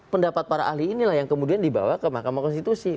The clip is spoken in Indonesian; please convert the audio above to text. pendapat para ahli inilah yang kemudian dibawa ke mahkamah konstitusi